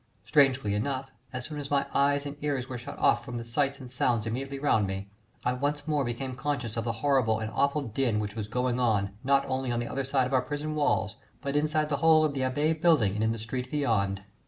Strangely enough, as soon as my eyes and ears were shut off from the sounds and sights immediately round me, I once more became conscious of the horrible and awful din which was going on not only on the other side of our prison walls, but inside the whole of the Abbaye building and in the street beyond.